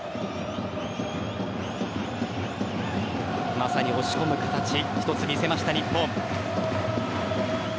まさに押し込む形一つ見せました、日本。